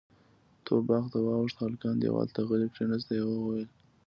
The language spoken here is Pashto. توپ باغ ته واوښت، هلکان دېوال ته غلي کېناستل، يوه وويل: